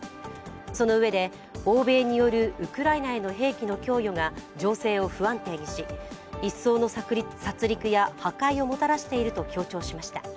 そのうえで、欧米によるウクライナへの兵器の供与が情勢を不安定にし、一層の殺りくや、破壊をもたらしていると強調しました。